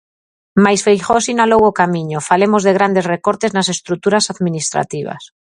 Mais Feijóo sinalou o camiño; falemos de grandes recortes nas estruturas administrativas.